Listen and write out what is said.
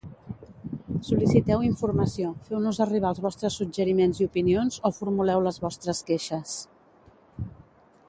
Sol·liciteu informació, feu-nos arribar els vostres suggeriments i opinions o formuleu les vostres queixes...